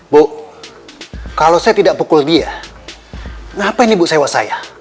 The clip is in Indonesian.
bu kalau saya tidak pukul dia ngapain bu sewa saya